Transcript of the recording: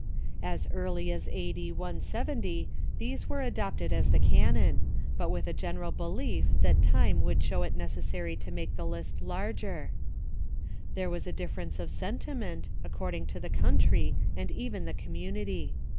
As early as a.u. IVO these were accepted as the canon, but with a general belief that time w^ould show it necessary to make the list larger. There was a difference of sentiment, according to the country, and even the community.